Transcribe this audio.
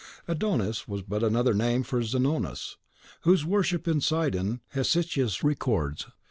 Adonis was but another name for Zanonas, whose worship in Sidon Hesychius records.